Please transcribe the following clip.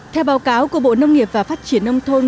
theo báo cáo của bộ nông nghiệp và phát triển nông thôn